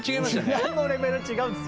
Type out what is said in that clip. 受難のレベル違うんです。